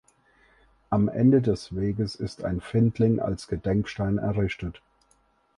Am Ende des Weges ist ein Findling als Gedenkstein errichtet.